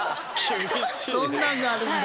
そんなんがあるんだ。